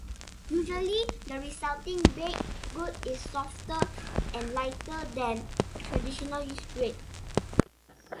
Usually, the resulting baked good is softer and lighter than a traditional yeast bread.